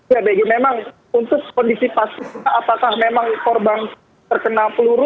ya begi memang untuk kondisi pasti apakah memang korban terkena peluru